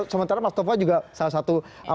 sementara mas tova juga salah satu